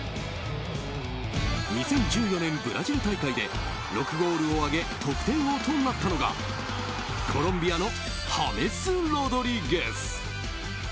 ２０１４年ブラジル大会で６ゴールを挙げ得点王となったのがコロンビアのハメス・ロドリゲス。